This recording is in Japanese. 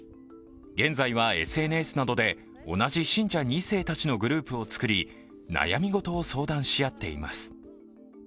現在はＳＮＳなどで同じ信者２世たちのグループを作り、悩みごとを相談し合っています。